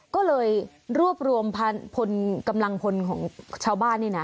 ก็เลยรวบรวมพลกำลังพลของชาวบ้านนี่นะ